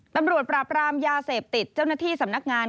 ตำรวจปราบรามยาเสพติดเจ้าหน้าที่สำนักงาน